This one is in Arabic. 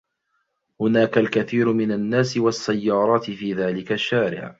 هناك الكثير من النّاس و السّيّارات في ذلك الشّارع.